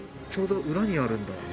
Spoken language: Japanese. ちょうど裏にあるんだ？